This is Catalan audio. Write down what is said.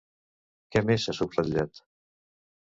Què més s'ha subratllat?